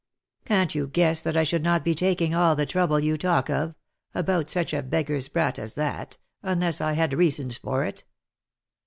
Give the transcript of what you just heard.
Can't you guess that I should not be taking all the trouble you talk of, about such a beggar's brat as that, unless I had reasons for it.